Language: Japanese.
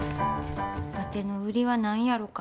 わての売りは何やろか？